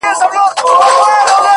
صدقه دي سم تر تكــو تــورو سترگو _